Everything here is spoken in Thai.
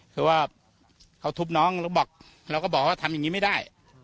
คือว่าเขาทุบน้องแล้วบอกเราก็บอกว่าทำอย่างนี้ไม่ได้